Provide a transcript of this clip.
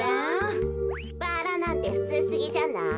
バラなんてふつうすぎじゃない？